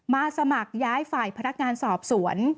สมัครย้ายฝ่ายพนักงานสอบสวน